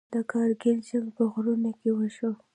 د کارګیل جنګ په غرونو کې وشو.